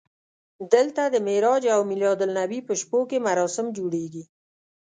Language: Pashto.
دلته د معراج او میلادالنبي په شپو کې مراسم جوړېږي.